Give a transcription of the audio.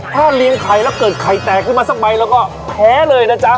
ถ้าเลี้ยงไข่แล้วเกิดไข่แตกขึ้นมาสักใบแล้วก็แพ้เลยนะจ๊ะ